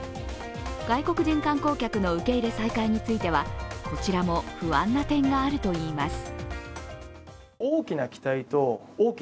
外国人観光客の受け入れ再開については、こちらも不安な点があるといいます。